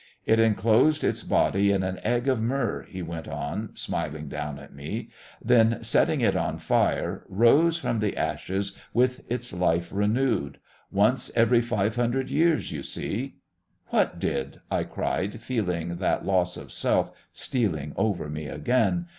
"It enclosed its body in an egg of myrrh," he went on, smiling down at me; "then, setting it on fire, rose from the ashes with its life renewed. Once every five hundred years, you see " "What did?" I cried, feeling that loss of self stealing over me again.